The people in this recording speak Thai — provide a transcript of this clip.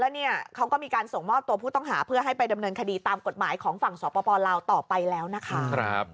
แล้วเนี่ยเขาก็มีการส่งมอบตัวผู้ต้องหาเพื่อให้ไปดำเนินคดีตามกฎหมายของฝั่งสปลาวต่อไปแล้วนะคะ